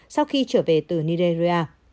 sau khi trở về từ nigeria